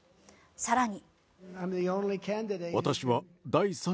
更に。